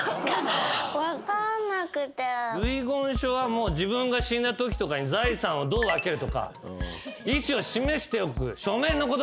遺言書は自分が死んだときとかに財産をどう分けるとか意思を示しておく書面のことです。